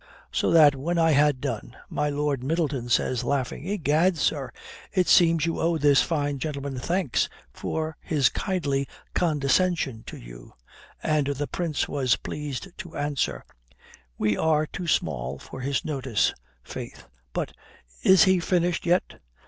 So that when I had done, my Lord Middleton says, laughing, 'Egad, sir, it seems you owe this fine gentleman thanks for his kindly condescension to you'; and the Prince was pleased to answer, 'We are too small for his notice, faith. But is he finished yet?'